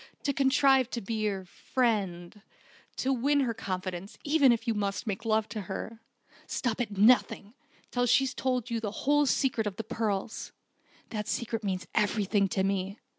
"To contrive to be her friend, to win her confidence even if you must make love to her. Stop at nothing, until she's told you the whole secret of the pearls. That secret means everything to me.